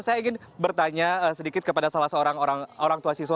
saya ingin bertanya sedikit kepada salah seorang orang tua siswa